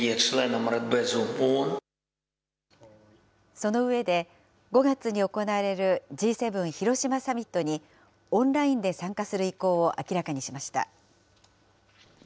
その上で、５月に行われるＧ７広島サミットにオンラインで参加する意向を明らかにしました。